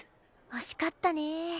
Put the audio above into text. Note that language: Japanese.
惜しかったね。